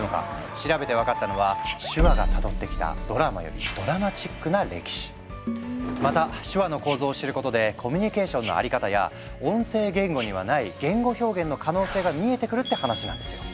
調べてわかったのはまた手話の構造を知ることでコミュニケーションの在り方や音声言語にはない言語表現の可能性が見えてくるって話なんですよ。